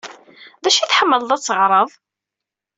D acu i tḥemmleḍ ad teɣreḍ?